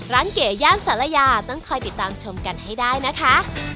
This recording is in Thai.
เก๋ย่านศาลยาต้องคอยติดตามชมกันให้ได้นะคะ